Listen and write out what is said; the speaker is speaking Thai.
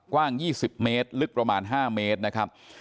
กว้าง๒๐เมตรลึกประมาณ๕เมตรนะครับ